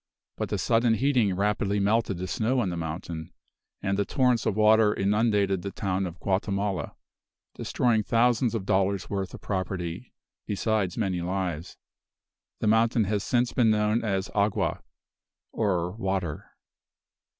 But the sudden heating rapidly melted the snow on the mountain, and the torrents of water inundated the town of Guatemala, destroying thousands of dollars worth of property, besides many lives. The mountain has since been known as "Agua," or water.